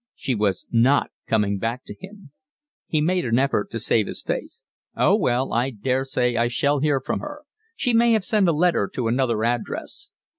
She was not coming back to him. He made an effort to save his face. "Oh, well, I daresay I shall hear from her. She may have sent a letter to another address."